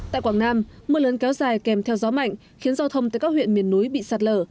tại quảng nam mưa lớn kéo dài kèm theo gió mạnh khiến giao thông tới các huyện miền núi bị sạt lở